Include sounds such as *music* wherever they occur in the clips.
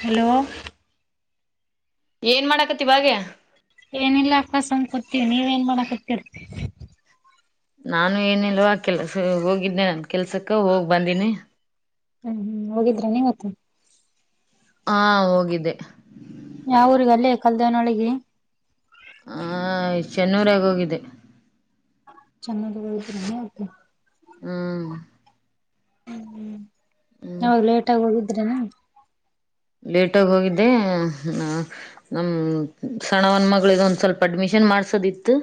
Hello ಏನ್ ಮಾಡಾಕತಿವಾಗೆ ಏನಿಲ್ಲ ಅಕ್ಕ ಸುಮಾ ಅಂಗಕತ್ತೀವ ನೀವೇಏನ್ ಮಾಡಾಕತ್ತರ್ ನಾನು ಏನಿಲ್ವಾ ಕೆಲ್ಸ ಹೋಗಿದ್ದನೆ ನನ್ ಕೆಲ್ಸಕ್ಕ ಹೋಗ್ ಬಂದಿನಿ ಹ್ಮ್ ಹ್ಮ್ ಹೋಗಿದ್ರ ನೀವತ್ತು ಹಾ ಹೋಗಿದ್ದೆ ಯಾವ ಊಗಲ್ಲೇ ಕಲ್ದೇವನೊಳಗೆ ಹ ಶೆನ್ನೂರಗ ಹೋಗಿದ್ದೆ ಚೆನ್ನದಗತ ಹ್ಮ ಹ್ಮ್ ನಾವಾಗ ಲೇಟ್ ಆಗ ಹೋಗಿದ್ರೆನಾ ಲೇಟಗ ಹೋಗಿದ್ದೆ ನಮ್ಮ ಸಣವನ್ ಮಿದ ಒಂದ್ ಸ್ವಲ್ಪ ಅಡ್ಮಿಷನ್ ಏನ್ ಮಾಡ್ಸೋದಿತ್ತು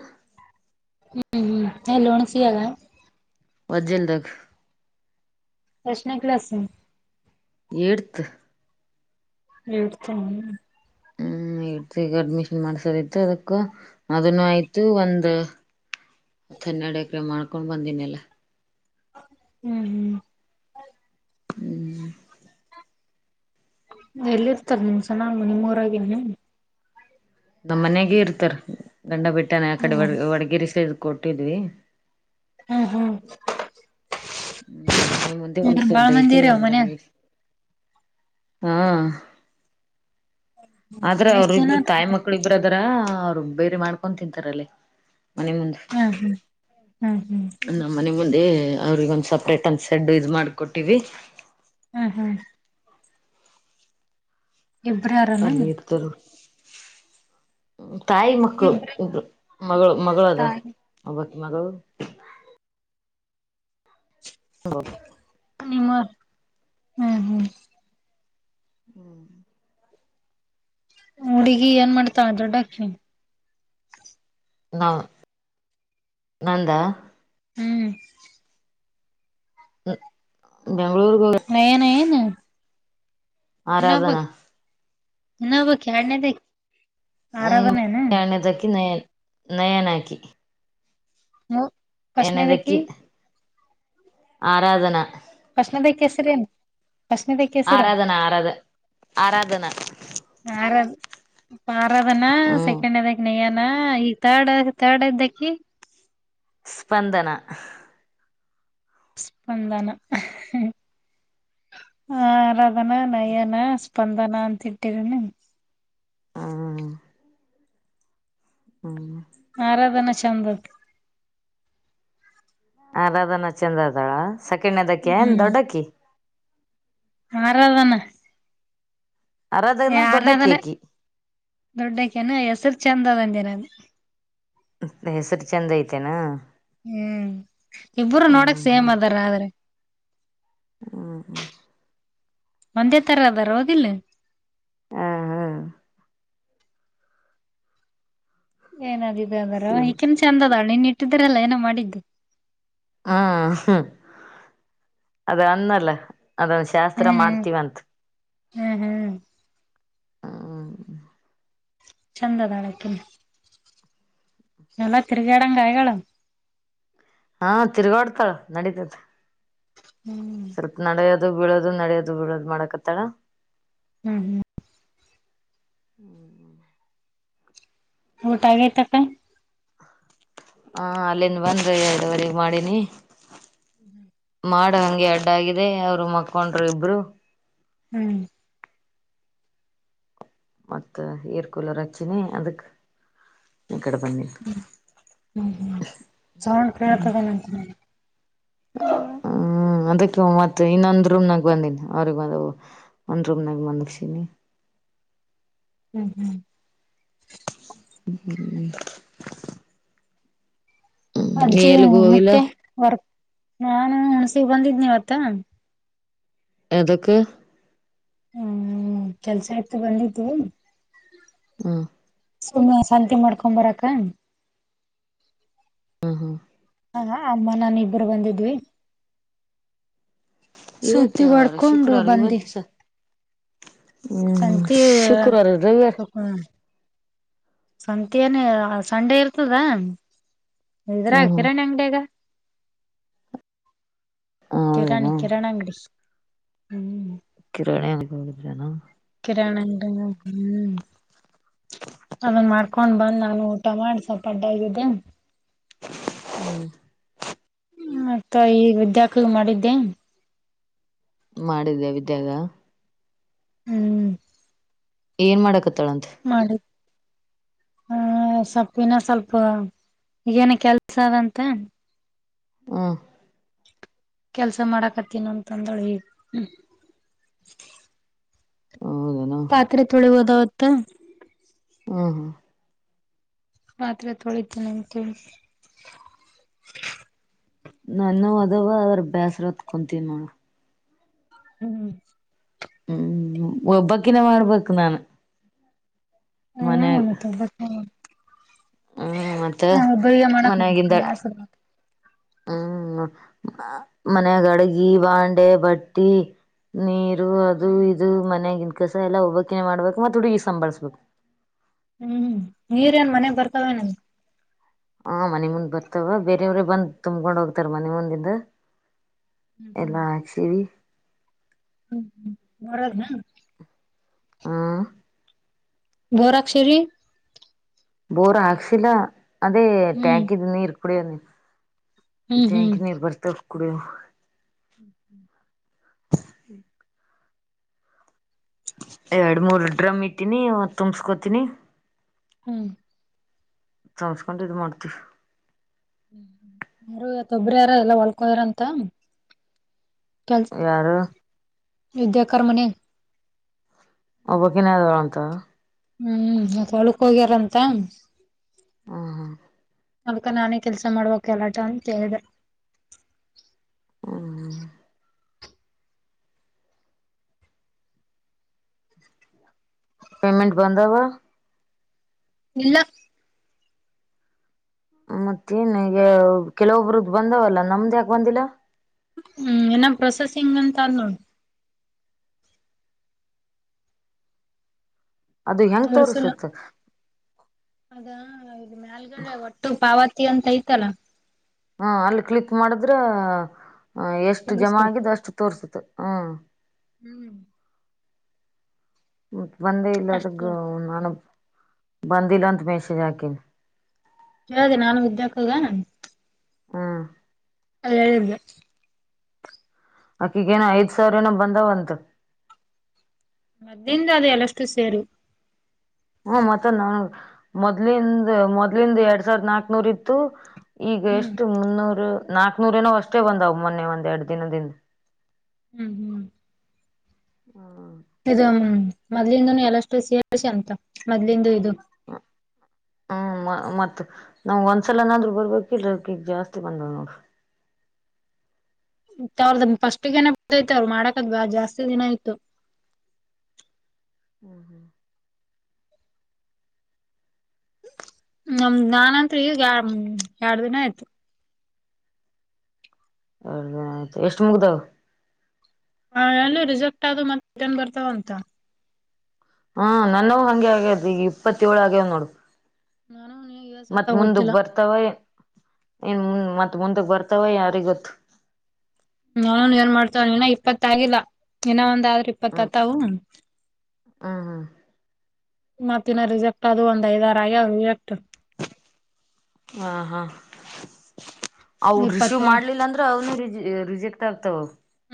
ಹ್ಮ್ ಹ್ಮ್ ಎಲ್ಲೋಣಸಿಯಾಗ ಅಜಲಕ್ ಯೇಶನೆ ಕಲಾಸು ಯೇಡತ್ ಯೇಡತ ಏತ್ ಅಡ್ಮಿಷನ್ ಮಾಡ್ಸೋದ ಇತ್ತು ಅದಕ್ಕೂ ಅದನ್ನು ಆಯ್ತು ಒಂದು ಥನ್ನಡಕ್ರ ಮಾಡ್ಕೊಂಡ್ ಬಂದಿನಲ್ಲ ಹ್ಮ್ ಹ್ಮ್ ಹ್ಮ್ ಎಲ್ಲಿರ್ತಾರ ನಿಮ ಸನಲ್ ನಿಮ್ಮೂರಾಗಿ ನೀ ನಮ್ಮ್ ಮನ್ಯಾಗ ಇರ್ತಾರ ಗಂಡ ಬೆಟ್ಟನ ಆ ಕಡೆ ಹ್ಮ್ ವಡಗೇರಿ ಸೇ ಕೊಟ್ಟಿದ್ವಿ ಹ್ಮ್ ಹ್ಮ್ ಹ್ಮ್ ನಮ್ಮನೆ ಮುಂದೆ ಒಂದ್ ಅಂದ್ರ ಬಾಳ ಸಡ್ ಮಂದಿ ಐತಿ ಇರ್ಯಾವ ಮನ್ಯಾಗ ಅದ್ರಂಗ ಹಾ ಆದ್ರೆ ಎಷ್ಟ್ ಅವರು ಜನ ಇಬ್ರು ತಾಯಿ ಮಕ್ಕಳಿ ಇಬ್ರದರ ಅವರು ಬೇರಿ ಮಾಡ್ಕೊಂಡ ತಿಂತಾರಲ್ಲಿ ಮನೆ ಮುಂದೆ ಹ್ಮ್ ಹ್ಮ್ ಹ್ಮ್ ಹ್ಮ್ ನಮ್ಮ ಮನೆ ಮುಂದೆ ಅವ್ರಗ ಒಂದ್ ಸಪ್ರೇಟ್ ಒಂದ ಸೆಡ್ ಇದು ಮಾಡಕೊಟ್ಟಿವವಿ ಹ್ಮ ಹಾ ಇಬ್ರ ಯಾರನ ಅಲ್ಲಿ ಇರ್ತಾರ್ಮ ತಾಯಿ ಮಕ್ಕಳು ಇಬ್ರೇ ಇದಬ್ರು ಮಗಳು ಮಗಳದರು ತಾಯಿ ಒಬ್ಬಕ ಮಗಳು ಕೆ ನಿಮಾ ಹ್ಮ್ ಹ್ಮ್ *inaudible* ಹುಡುಗಿ ಏನ್ ಮಾಡ್ತಾ ದೊಡ್ಡಾಕ್ಕಿ ನಾ ನಾನಾ ನಂದ ಹ್ಮ್ ಹ್ಮ ಬೆಂಗಳೂರು ಗ ನಯನ ಏನು ಆರಾಧನಾ ಯಿನೋಬಾಕಿ ಯಾರದನೆದಾಕಿ ಾಣ ಇಕ್ಕೆ ನನ್ ನಯನಕಿ ಮೂ ಫಸ್ಟ್ನೇದಕಿ ಏನದಕ್ಕೆ ಆರಾಧನಾ ಫಸ್ತನೆದಾಕಿನ್ ಹೆಸರೇನು ಫಸ್ಟ್ನೇದಕಿ ಹೆಸರು ಆರಾಧನಾ ಆರಾಧ ಆರಾಧನಾ ಆರಾಮ್ ಪಾರ ಅದನಾ ಹ್ಮ್ ಸೆಕೆಂಡ್ ಇದದಕ ನೇಯ್ಯನಾ ಈಗ ತರ್ಡ್ ತರ್ಡ್ ಇದ್ದಕಿ *inaudible* ಸ್ಪಂದನ ಸ್ಪ್ಪಂದಾನ ಹ ಆರಾಧನಾ ನಯನಾ ಸ್ಪಂದನಾ ಅಂತ ಇಟ್ಟರಿನ ಹ್ಮ ಹ್ಮ್ ಆರಾಧನಾ ಚಂದದ ಆ ರಾಧನಾ ಚಂದ್ರ ಅದಾಳ ಸಕಣ್ಣದಕ್ಕಿ ಏನ್ ದೊಡ್ಡಕ್ಕಿ ಆರಧಾನ ಆರಾಧನಾ ದೊಡ್ಡಕ್ಕಿ ಯಾರ್ನದಾನ ಅಕಿ ದೊಡ್ಡಕನ ಹೆಸರು ಚೆಂದ ಅದಂದನ ಹೆಸರ ಚೆಂದ ಐತೆೇನ. ಹ್ಮ್ ಇಬ್ಬರು ನೋಡಕ್ ಸೇಮ್ ಅದಾರ ಆದ್ರೆ. ಹ್ಮ ಹ್ಮ ಒಂದೇ ತರ ಅದರ ಹೌದಿಲ್ಲ. ಹಾ ಹಾ ಏನಾಗಿದೆ ಅಂದರ ಸೀಮ ಈಕೀನ್ ಚಂದ ಅದಳ ನೀನ್ನ ಇಟ್ಟಿದ್ರಲ್ಲ ಏನೋ ಮಾಡಿದ್ದು. ಹ್ಮ್ ಹ್ ಅದ ಅನ್ನಲ್ಲ. ಅದ ಶಾಸ್ತ್ರ ಹ್ಮ್ ಮಾಡ್ತಿವಂತ. ಹ್ಮ್ ಹ್ಮ್ ಹ್ಮ ಚಂದದಾಳಕಿನು. ಎಲ್ಲ ತಿರಗ್ಯಾಡಂಗ ಆಗ್ಯಾಳ. ಹಾ ತಿರ್ಗಾಡ್ತಾಳ ನಡೀತೈತಿ. ಹ್ಮ್ ಸ್ವಲ್ಪ ನಡೆಯೋದು ಬೀಳೋದು ನಡಿಯೋದು ಬೀಳೋದು ಮಾಡಕತ್ತಾಳ. ಹ್ಮ್ ಹ್ಮ್ ಹ್ಮ್್ಮ ಊಟ ಆಗೈತಕ್ಕ. ಹ ಅಲ್ಲಿನ್ ಬಂದು ಎರಡುವರಿಗಿ ಮಾಡಿನಿ. ಹ್ಮ್ ಮಾಡ ಹಂಗೆ ಅಡ್ಡ ಆಗಿದೆ ಅವರು ಮಕ್ಕೊಂಡ್ರು ಇಬ್ರು. ಹ್ಮ್ ಮತ್ತ ಏರ್ ಕೂಲರ್ ಹಚ್ಚಿನಿ ಅದಕ್ ಇಕಡಿ ಬನ್ನಿಂತು. ಹ್ಮ ಹ್ಮ್ಮ್ ಸೌಂಡ್ ಕೇಳಗಲ್ಲಂತನ. *inaudible* ಹ್ಮ್ ಅದಕ್ಕ ಮತ್ತ ಇನ್ನೊಂದ್ ರೂಮ್ನಾಗ ಬಂದಿನಿ ಅವ್ರಗ್ ಬಂದ ಒಂದ್ ರೂಮ್ನಾಗ ಮಲಗ್ಸಿನಿ. ಹ್ಮ್ ಹ್ಮ್ ಹ್ಮ ಅಜ್ಜಿ ಹೋಗಿಲ್ಲ ಮತ್ತೆ ವರ್ಕ್ ನಾನು ಹುಣ್ಸಿಗ ಬಂದಿದ್ನಿವತ್ತ. ಎದಕ್ ಹ್ಮ್ ಕೆಲ್ಸ ಇತ್ತು ಬಂದಿದ್ದೆ. ಹಾ ಸುಮ್ಮನೆ ಸಂತಿ ಮಾಡ್ಕೊ ಬರಾಕ್ಕ. ಹ್ಮ ಹ ಹ ಹ್ ಅಮ್ಮ ನಾನ ಇಬ್ರು ಬಂದಿದ್ವಿ. ಇವತ್ತು ಸುತ್ತಿ ಯಾವಾರ ಹೊಡ್ಕೊಂಡು ಶುಕ್ರಾರ ಬಂದಿ ಇವತ್ತ ಸ ಹ್ಮ್ ಹ್ಮ್ ಸಂತಿ ಶುಕ್ರವಾರ ರವಿವಾರ ಸಂತಿ ಏನ್ ಸಂಡೆ ಇರ್ತದ. ಇದ್ರಾಗ ಹ್ಮ್ ಹ್ಮ್ ಕೀರಾಣಿ ಅಂಗಡ್ಯಾಗ. ಕಿರಾಣಿ ಹೌದೇನಾ ಕಿರಾಣಂಗಡಿ ಹ್ಮ್. ಕಿರಾಣಿಲ್ಲಿ ಹೋಗಿದ್ರನಾ *unintelligible* ಕಿರಾಣಿ ಅಂಗಡ್ಯಗ ಹ್ಮ್. ಅದನ್ ಮಾಡ್ಕೊಂಡ್ ಬಂದ್ ನಾನು ಊಟ ಮಾಡ್ ಸ್ವಲ್ಪ ಅಡ್ಡಗಿದ್ದೆ. ಹ್ಮ ಮತ್ತ ಈಗ ವಿದ್ಯಾಕ್ಕಗ ಮಾಡಿದ್ದೆ. ಮಾಡಿದ್ಯಾ ವಿದ್ಯಾಗ. ಹ್ಮ್ ಏನ್ ಮಾಡಕತ್ತಾಳಂತ. ಹ ಹ ಸೊಪ್ಪ ಹಿನ ಸ್ವಲ್ಪ ಈಗೇನ ಕೆಲ್ಸದಂತ. ಹ್ಮ್ಮ್ ಕೆಲ್ಸ ಮಾಡಾಕತ್ತಿನ ಅಂತ ಅಂದಳು ಹೌದೇನ ಪಾತ್ರೆ ತೊಳಿ ಹೋದವತ್ತ ಹಾ ಹಾ ಮಾತ್ರ ತೊಳಿತ ನಿಮಗೆ ನನ್ನ ಅದವ ಅದ್ರ ಬೇಸ್ರ ಹತ್ ಕುಂತೀ ನ ಹ್ಮ್ ಹ್ಮ್ ಒಬ್ಬಕಿನ ಮಾಡಾರಬೇಕಕ್ು ನಾನು ಹ್ಮ್ ಮನ್ಯಾಗ ಆತ ಬತ್ತ ಹ್ಮ್ ಮತ್ತೆ ಒಬ್ಬರಿಗೆ ಮಾಡಕ್ ಮನ್ಾಗಿಿಂದ ಬ್ಯಾಸರ ಹ್ಮ್ ಮನೆ ಗಡಗಿ ಬಾಂಡೆ ಬಟ್ಟಿ ನೀರ್ ಅದು ಇದು ಮನ್ಯಗನ್ ಕಸ ಎಲ್ಲಾ ಒಬ್ಬೋಕಿನೇ ಮಾಡ್ಬೇಕು ಮತ್ತ ಹುಡುಗಿ ಸಂಭಾಳ್ಸ್ಬೇಕು ಹ್ಮ್ ನೀರ್ೇಏನ್ ಮನೆಗ್ ಬರ್ತಾವೇ ನಮ ಹಾ ಮನೆ ಮುಂದ್ ಬರ್ತವ ಬೇರೆಯವ್ರೇ ಬಂದ್ ತುಂಬಕೊಂಡ್ ಹೋಗ್ತಾರ ಮನೆ ಮುಂದಿಂದ ಎಲ್ಲಾ ಹಾಕ್ಸೀವಿ ಹ್ಮ್ ಹ್ಮ್ ಬರದ ಹಾ ಗೋರಾಕ್ಷರಿ ಬೋರ್ ಹಾಕ್ಸಿಲ್ಲ ಅದೇ ಹ್ಮ್ ಟ್ಯಾಂಕ್ ಇದ ನೀರ್ ಕುಡಿಯ ನೀ ಹ್ಮ್ ಕ ನೀ ಬರ್ತ ಕುಡ ಹ್ಮ ಹಾ ಹ್ಮ ಎರಡ್ ಮೂರ್ ಡ್ರಮ್ ಇಟ್ಟಿನಿ ತುಂಬಸ್ಕೋತನಿ ಹ್ಮ್ ತಮಸ್ಕೊಂಡು ಇದ್ ಮಾಡ್ತಿೀವಿ ಹ್ಮ ಯಾರು ಯತ್ತೊಬ್ಬ್ರ ಯಾರ ಎಲ್ಲ ಹೊಳ್ಕದಾರಂತ ಯಾರು ಯುದ್ಧಕರ್ಮನೆ ಒಬ್ಬಕ್ಕನ್್ದಳ ಅಂತ ಹ್ಮ್ ಮತ್ತ ಹೊಳಕ್ ಹೋಗ್ಯಾರಂತ ಹಾ ಹಾ ಅದಕ್ಕ ನಾನೇ ಕೆಲ್ಸ ಮಾಡ್ಬೇಕಕ್ ಎಲ್ಲಾಟ ಅಂತ ಹೇಳ್ದ ಹ್ಮ್ ಪೇಮೆಂಟ್ ಬಂದ ವಾ ಇಲ್ಲ ಮತ್ತೇನ್ ಈಗ ಕೆಲವೊಬ್ರದ ಬಂದವಲ್ಲ ನಮ್ದ್ಯಾಾಕೆ ಬಂದಿಲ್ಲ ಹ್ಮ್ ಎನ್ನ ಪೊಸಸಿಂಗ್ಂತೋ ಅದು ಹೆಂಗ ತೋಸುತ್ತ ಅದಾ ಇದು ಮ್ಯಾಲ್ಗಡೆ ಒಟ್ಟು ಪಾವತಿ ಅಂತ ಐತಲ್ಲ ಹಾ ಅಲ್ಲಿ ಕ್ಲಿಕ್ ಮಾಡಿದ್ರ ಎಷ್ಟು ಜಮಾ ತೋರ್ಸ್ಬೇಕು ಆಗಿದ್ದ ಅಷ್ಟು ತೋರ್ಸುತ್ತೆ ಹಾ ಹ್ಮ್ ಮ ಬಂದೇ ಇಲ್ಲ ಅದಗ್ ಅಷ್ಟ ನಾನ ಬಂದಿಲ ಅಂತ ಮಷೆ ಜಾಕಲ್ ಹಿ ನಾನು ಇದಿದ್ದ್ಯಾಕ್ಕಗ ನ ಹ್ಮ್ ಅಲ್ಲ ಹೇಳಲ್ಲ ಅಕಿಗೇನ ಐದ್ ಸಾವಿರ ಏನ ಬಂದಾವಂತ ಮದಿಂದ ಅದು ಎಲ್ಲಷ್ಟು ಸೇರು ಹ್ಮ ಮತ್ತ ನ ಮೊದ್ಲಿಿಂದ ಮೊದ್ಲಿಂದ ಎರಡ್ ಸಾವಿರ್ದ ನಾಕ್ನೂರ್ ಇತ್ತು ಈಗ ಹ್ಮ್ ಎಷ್ಟು ಮುನ್ನೂರು ನಾಕ್ನೂರ ಏನೋ ಅಷ್ಟೇ ಬಂದಾವ ಮೊನ್ನೆ ಒಂದ್ ಎರಡು ದಿನದಿಂದ ಹ್ಮ್ ಹ್ಮ್ ಮೊದ್ಲಿದನು ಎಲ್ಲಷ್ಟು ಸೇಷ ಅಂತ ಮದ್ಲಿಂದು ಇದು *inaudible* ಹ್ಮ ಮತ್ತತ್ ನಮ್ಗ್ ಒಂದ್ಸಲನಾದ್ರು ಬರ್ಬೇಕ ಇಲ್ ಅದಕಿಗ್ ಜಾಸ್ತಿ ಬಂದ ನೋಡಿ *inaudible* ಅವ್ರದ್ದ ಫಸ್ಟ್ಗನೆ ಗತ್ತೈತೆ ಅವ್ರು ಮಾಡಕದ್ ಬಾ ಜಾಸ್ತಿ ದಿನ ಆಯ್ತು ಹ್ಮ ಹ್ಮ ನಮ್ದ್ ನಾಾನತ್ ಈಗ ಎರಡು ದಿನ ಆಯ್ತು ಎದ ಆಯ್ತು ಎಷ್ಟ ಮುಗ್ದವು ಲ್ಲ ರಿಸಕ್ಟ್ ಆದ ಮತ್ತ ಟನ್ ಬರ್ತಾವಂತ ಹ್ಮ ನನ್ನವು ಹಂಗೆ ಆಗ್ಯದ್ ಈಗ ಇಪ್ಪತ್ತ ಏಳು ಆಗ್ಯವ್ ನೋಡು ನಾನು ಯುಎಸ್ ಮತ್ ಆತ ಮುಂದಗ್ ಗೊತ್ತಿಲ್ಲ ಬರ್ತಾವ ಇನ್ ಮತ್ತತ್ ಮುಂದಕ್ ಬರ್ತಾವ ಯಾರಿಗೊತ್ತು ನಾನನ್ ಏನ್ ಮಾಡ್ತವ ಏನ ಇಪ್ಪತ್ತ ಆಗಿಲ್ಲ ಏನ ದ್ರೀ ಪತ ಹ್ಮ್ ತ ಹನ್ ಹ್ಮ್ ಹ್ಮ್ ಮತ್ತಿನ ರಿಿಸೆಕ್ಟ್ ಅದು ಒಂದ್ ಐದ್ ಆರಯ್ಯ ರಿಜೆಕ್ಟ್ ಹಾ ಹಾ ಅವರು ರಿಸೀವ್ ಇಪ್ಪತ್ತೋಳ್ ಮಾಡ್ಲಿಲ್ಲ ಅಂದ್ರೆ ಅವನು ರಿಜೆಕ್ಟರ್ತ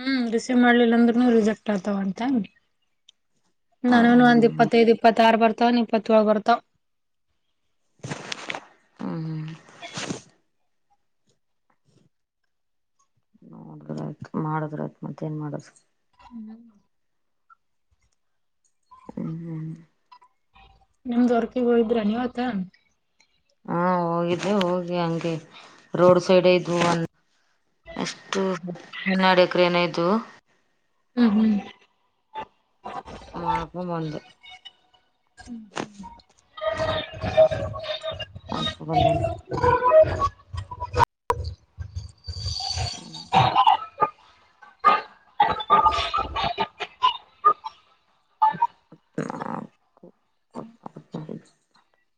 ಹ್ಮ್ ರಿಸೀವ್ ಮಾಡ್ಲಿಲ್ಲಂದ್ರನು ರಿಜೆಕ್ಟ್ ಆತಾವ ಅಂತ ನಾನೂನು ಒಂದ್ ಹ್ಮ್ ಇಪ್ಪತ್ತೈದು್ ಇಪ್ಪತ್ತ ಆಾರ ಬರ್ತಾವನ್ ಇಪ್ಪತ್ತಏಳ್ ಬರ್ತಾವ *inaudible* ಹ್ಮ್ ಹ್ಮ್ ನೋಡ್ರ ಆಯ್ತು ಮಾಡುದ್ ಆಯ್ತು ಮತ್ತತ್ ಏನ್ ಮಾಡದ್ ಹ್ಮ್ ಹ್ಮ್ ನಿಮ್ದ್ ಹೊರ್ಕಗ್ ಹೋೋಗ ಇದ್ರ ನೀವತ್ತ ಹಾ ಹೋಗಿದ್ದೆ ಹೋಗಿ ಹಂಗೆ ರೋಡ್ ಸೈಡ್ ಇದವು ಅ ಅಷ್ಟುನ್ನಡಿ ಅಕ್ರ ಏನಾಯು ಹ್ಮ ಹ್ಮ ಮಳಕ ಬಂದು ಹ ಆಕಬ ಮ *inaudible* ಹ *inaudible* *inaudible*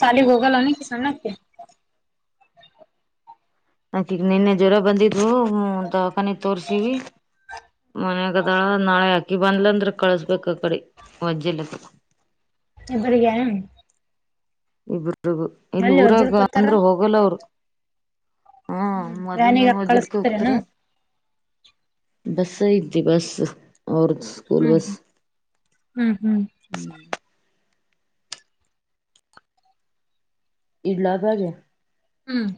ಶಾಲ ಗೊಗಲನ ಕಿಸ್ಣ ನಾಕಿಗ ನಿನ್ನೆ ಜ್ವರ ಬಂದಿದ್ವು ಹ ದವಾಖಾನೆ ತೋರ್ಸೀಿ ಮನ್ಯಾಗದಾಳ ನಾಳೆ ಅಕಿ ಬಂದ್ಲ ಅಂದ್ರೆ ಕಳ್ಸ್ಬೇಕ ಆ ಕಡೆ ಒಜ್ಜಲ್ಲ ಎಬರಿಗರ ಇಬ್ರಗ ಇಲ್ಲಿ ಊರಾಗ ವಜ್ಜಲ್ ಕೂತಾರ ಅಂದ್ರ ಹೋಗಲ್ಲ ಅವರು ಹಾ ಹ್ಮ್ ವ್ಯಾನಿಗೆ ಮೊದ್ಲಿಂದನ್ ಹೊಜಲ್ಕ್ಕೆ ಹೋಗತಾರ ಕಳಸ್ತೀರೇನು ಬಸ್ ಇದ್ದು ಬಸ್ ಅವ ಸ್ಕೂಲ್ ಹ್ಮ್ ಬಸ್ ಹ್ಮ್ ಹ್ಮ್ ಹ್ಮ್ ಇಡ್ಲಾ ಬಾಗೆ ಹ್ಮ್